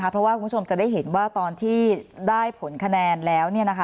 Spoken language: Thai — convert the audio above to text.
เพราะว่าคุณผู้ชมจะได้เห็นว่าตอนที่ได้ผลคะแนนแล้ว